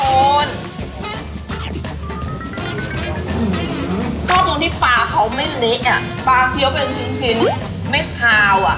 ปลาเคี้ยวเป็นชิ้นไม่พร้าวอะ